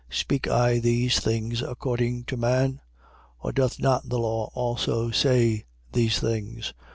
9:8. Speak I these things according to man? Or doth not the law also say; these things?